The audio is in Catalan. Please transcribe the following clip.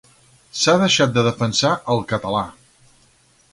S'ha deixat de defensar el català.